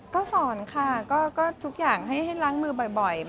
ก็สอนค่ะก็ทุกอย่างให้ล้างมือบ่อย